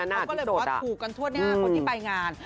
เราก็เลยปลอดภูมิกันทั่วหน้าคนที่ไปงาน